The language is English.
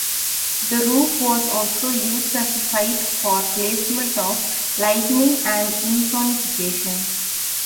The roof was also used as a cite for placement of lightning and insonification.